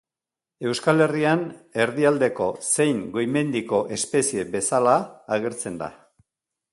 Euskal Herrian erdialdeko zein goi-mendiko espezie bezala agertzen da.